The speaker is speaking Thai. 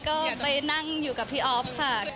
ก็ไปนั่งอยู่กับพี่อ๊อฟค่ะ